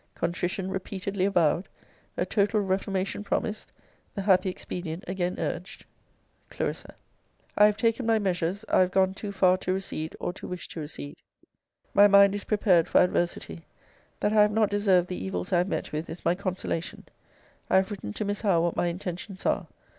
] Contrition repeatedly avowed; a total reformation promised; the happy expedient again urged. Cl. I have taken my measures. I have gone too far to recede, or to wish to recede. My mind is prepared for adversity. That I have not deserved the evils I have met with is my consolation; I have written to Miss Howe what my intentions are.